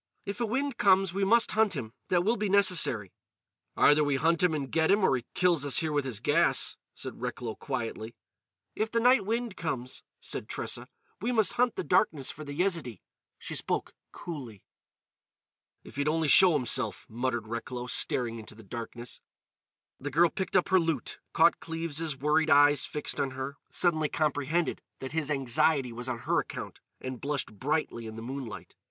"If a wind comes, we must hunt him. That will be necessary." "Either we hunt him and get him, or he kills us here with his gas," said Recklow quietly. "If the night wind comes," said Tressa, "we must hunt the darkness for the Yezidee." She spoke coolly. "If he'd only show himself," muttered Recklow, staring into the darkness. The girl picked up her lute, caught Cleves' worried eyes fixed on her, suddenly comprehended that his anxiety was on her account, and blushed brightly in the moonlight.